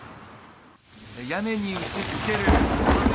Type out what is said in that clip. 屋根に打ち付ける雨。